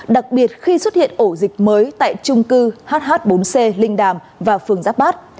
đặc biệt khi xuất hiện ổ dịch mới tại trung cư hh bốn c linh đàm và phường giáp bát